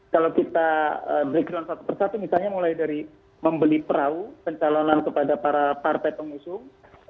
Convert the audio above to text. kalau kita breakdown satu persatu misalnya mulai dari membeli perahu pencalonan kepada para partai pengusung